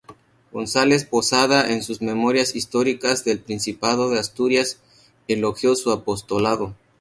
González Posada, en sus "Memorias históricas del Principado de Asturias" elogió su apostolado.